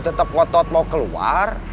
tetap ngotot mau keluar